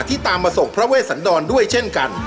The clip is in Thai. ตามมาส่งพระเวสันดรด้วยเช่นกัน